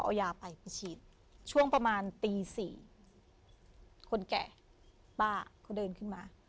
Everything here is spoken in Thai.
เอายาไปไปฉีดช่วงประมาณตี๔คนแก่ป้าเขาเดินขึ้นมา